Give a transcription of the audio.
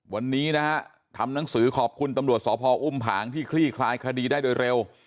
วันนี้นะฮะทำหนังสือขอบคุณตำรวจสพออุ้มผางที่คลี่คลายคดีได้โดยเร็ว